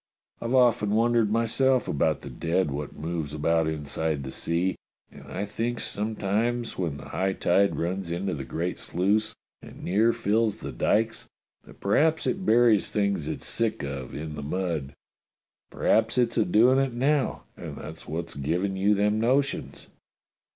I've often wondered myself about the dead what moves about inside the sea, and I thinks some times w^hen the high tide runs into the great sluice and near fills the dykes that perhaps it buries things it's sick of in the mud. P'raps it's a doin' it now, and that's wot's given you them notions."